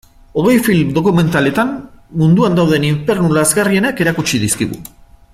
Hogei film dokumentaletan munduan dauden infernu lazgarrienak erakutsi dizkigu.